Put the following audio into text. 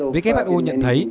với các bạn ưu nhận thấy